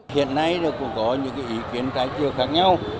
hiện nay cũng có những ý kiến trái chiều khác nhau